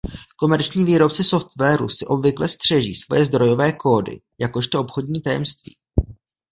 Komerční výrobci softwaru si obvykle střeží svoje zdrojové kódy jakožto obchodní tajemství.